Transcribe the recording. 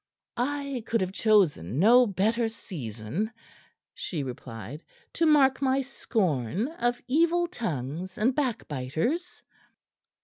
"I could have chosen no better season," she replied, "to mark my scorn of evil tongues and backbiters."